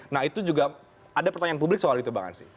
nah itu juga ada pertanyaan publik soal itu bang ansi